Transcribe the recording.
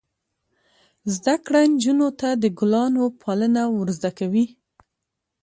زده کړه نجونو ته د ګلانو پالنه ور زده کوي.